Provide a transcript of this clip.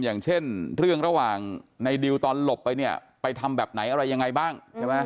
อย่างเช่นเรื่องระหว่างในดิวตอนหลบไปเนี่ยไปทำแบบไหนอะไรยังไงบ้างใช่ไหม